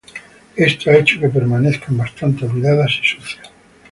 Esto ha hecho que permanezcan bastante olvidadas y sucias.